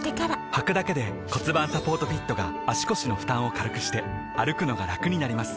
はくだけで骨盤サポートフィットが腰の負担を軽くして歩くのがラクになります